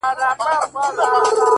ټول عمر ښېرا کوه دا مه وايه ـ